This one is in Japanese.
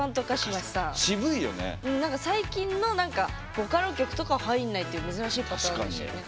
最近のボカロ曲とかは入んないっていう珍しいパターンでしたよね。